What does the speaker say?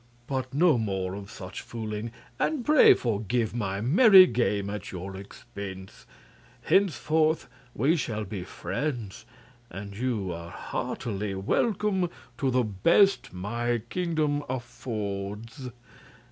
But no more of such fooling, and pray forgive my merry game at your expense. Henceforth we shall be friends, and you are heartily welcome to the best my kingdom affords."